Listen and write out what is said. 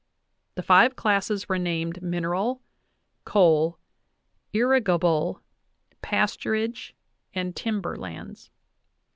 The five classes were named mineral, coal, irrigable, pasturage, and timber lands.